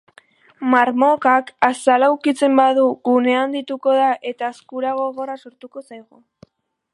Marmokak azala ukitzen badu, gunea handituko da eta hazkura gogorra sortuko zaigu.